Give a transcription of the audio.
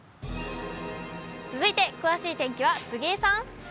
続いて詳しい天気は杉江さん。